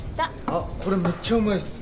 あっこれめっちゃうまいっす。